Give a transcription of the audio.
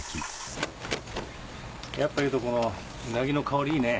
やっぱ雄翔このウナギの香りいいね。